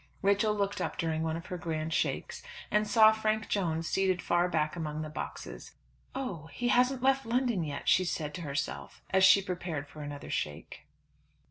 Rachel looked up during one of her grand shakes and saw Frank Jones seated far back among the boxes. "Oh, he hasn't left London yet," she said to herself, as she prepared for another shake.